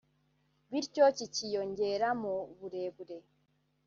bityo kikiyongera mu burebure